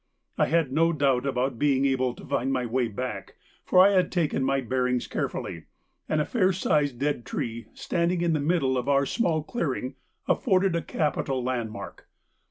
I had no doubt about being able to find my way back, for I had taken my bearings carefully, and a fair sized dead tree standing in the middle of our small clearing afforded a capital landmark.